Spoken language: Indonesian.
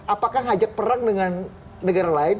apakah ngajak perang dengan negara lain